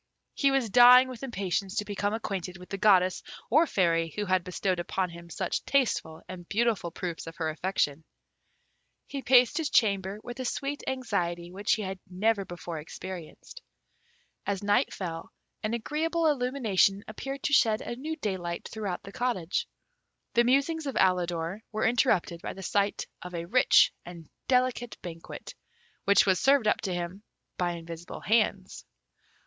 He was dying with impatience to become acquainted with the Goddess or Fairy who had bestowed upon him such tasteful and beautiful proofs of her affection. He paced his chamber with a sweet anxiety which he had never before experienced. As night fell, an agreeable illumination appeared to shed a new daylight throughout the cottage. The musings of Alidor were interrupted by the sight of a rich and delicate banquet, which was served up to him by invisible hands.